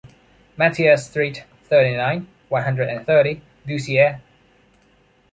Mattier street, thirty-nine, one hundred and thirty, Doucier